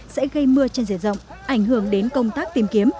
sẽ gây mưa trên diện rộng ảnh hưởng đến công tác tìm kiếm